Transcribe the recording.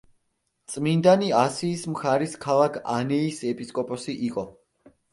წმინდანი ასიის მხარის ქალაქ ანეის ეპისკოპოსი იყო.